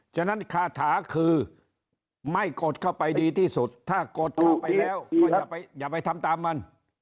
ฉะนั้นคาถาคือไม่กดเข้าไปดีที่สุดถ้ากดเข้าไปแล้วก็อย่าไปทำตามมัน